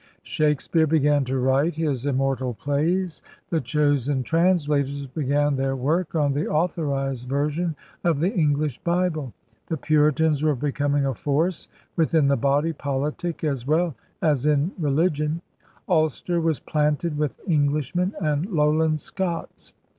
Shakespeare began to write his immortal plays. The chosen translators began their work on the Authorized Version of the English Bible. The Puritans were becoming a force within the body politic as well as in religion. Ulster was * planted' with Englishmen and Lowland Scots.